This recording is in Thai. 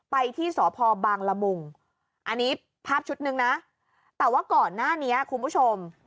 ไปที่สพบางละมุงอันนี้ภาพชุดนึงนะแต่ว่าก่อนหน้านี้คุณผู้ชม